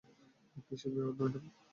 কীসের বিপদ, ম্যাডাম?